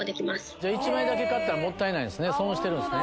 じゃあ１枚だけ買ったらもったいないんですね損してるんすね